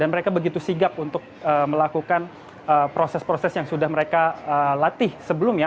dan mereka begitu sigap untuk melakukan proses proses yang sudah mereka latih sebelumnya